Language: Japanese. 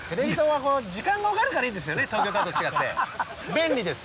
便利です。